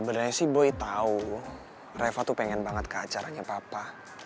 sebenernya sih boy tau reva tuh pengen banget ke acaranya papa